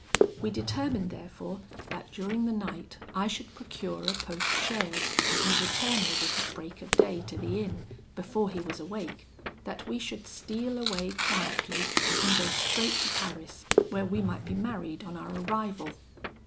We determined, therefore, that, during the night, I should procure a post chaise, and return with it at break of day to the inn, before he was awake; that we should steal away quietly, and go straight to Paris, where we might be married on our arrival.